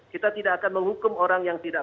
kita tidak akan menghukum orang yang tidak